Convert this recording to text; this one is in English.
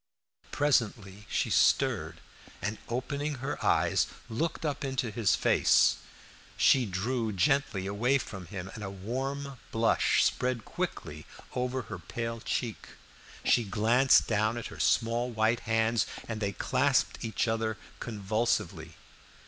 Presently she stirred, and opening her eyes, looked up into his face. She drew gently away from him, and a warm blush spread quickly over her pale cheek; she glanced down at her small white hands and they clasped each other convulsively.